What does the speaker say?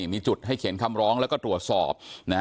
มีจุดให้เขียนคำร้องแล้วก็ตรวจสอบ